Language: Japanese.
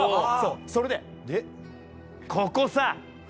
それでここさ！